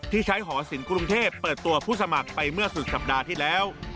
ที่ใช้หอศิลปกรุงเทพเปิดตัวผู้สมัครไปเมื่อสุดสัปดาห์ที่แล้ว